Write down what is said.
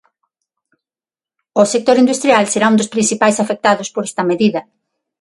O sector industrial será un dos principais afectados por esta medida.